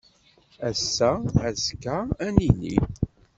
Ass-a azekka ad nili.